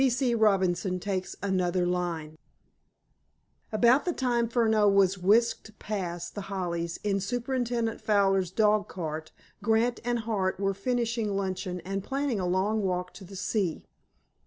P. C. Robinson Takes Another Line About the time Furneaux was whisked past The Hollies in Superintendent Fowler's dogcart, Grant and Hart were finishing luncheon, and planning a long walk to the sea.